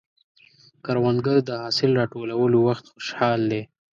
کروندګر د حاصل راټولولو وخت خوشحال دی